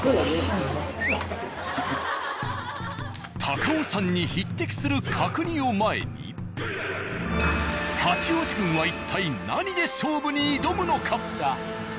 高尾山に匹敵する角煮を前に八王子軍は一体何で勝負に挑むのか。